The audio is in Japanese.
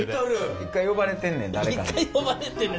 一回呼ばれてんねん誰かに。